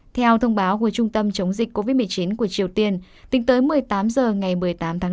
theo thông báo của trung tâm chống dịch covid một mươi chín của triều tiên tính tới một mươi tám h ngày một mươi tám tháng năm